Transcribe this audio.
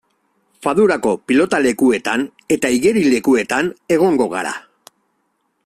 Fadurako pilotalekuetan eta igerilekuetan egongo gara.